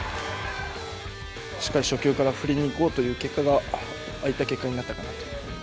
しっかり、初球から振りにいこうという結果がああいった結果になったかなと。